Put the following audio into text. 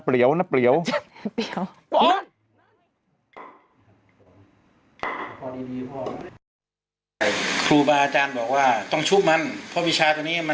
ไปกิดที่สิงคโปร์กิดเขาเข้าเขาแจ้งความจับไงเดิม